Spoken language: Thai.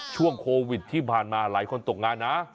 ช่วงโควิดที่ผ่านมาหลายคนตกงานนะ